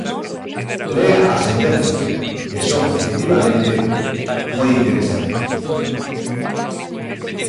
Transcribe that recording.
Lea as sentenzas, que son, efectivamente, moi interesantes.